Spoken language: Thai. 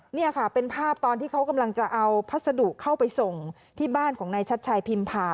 นี่ค่ะเป็นภาพตอนที่เขากำลังจะเอาพัสดุเข้าไปส่งที่บ้านของนายชัดชัยพิมพา